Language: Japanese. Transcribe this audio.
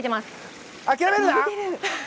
諦めるな！